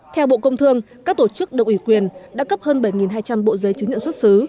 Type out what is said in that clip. theo bộ công thương các tổ chức độc ủy quyền đã cấp hơn bảy hai trăm linh bộ giấy chứng nhận xuất xứ